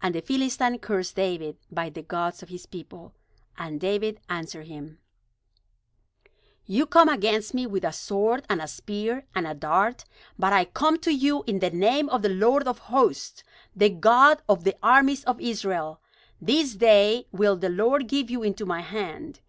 And the Philistine cursed David by the gods of his people. And David answered him: "You come against me with a sword, and a spear, and a dart; but I come to you in the name of the Lord of hosts, the God of the armies of Israel. This day will the Lord give you into my hand.